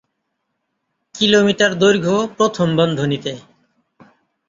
Kilometre দৈর্ঘ্য প্রথম বন্ধনীতে।